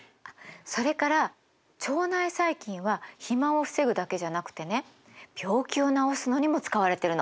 それから腸内細菌は肥満を防ぐだけじゃなくてね病気を治すのにも使われてるの。